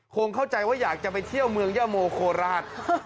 คงเข้าใจว่าอยากจะไปเที่ยวเมืองย่าโมโคราช